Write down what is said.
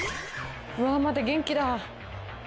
うわぁまだ元気だ。